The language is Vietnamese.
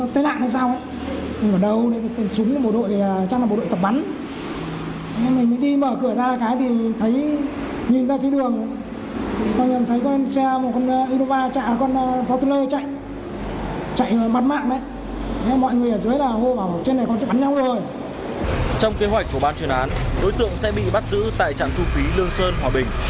trong kế hoạch của ban chuyển án đối tượng sẽ bị bắt giữ tại trạm thu phí lương sơn hòa bình